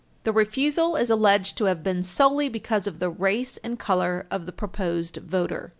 The refusal is alleged to have been solely because of the race and color of the proposed voter.